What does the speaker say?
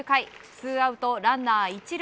ツーアウトランナー１塁。